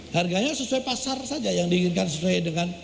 harganya sesuai pasar saja yang diinginkan sesuai dengan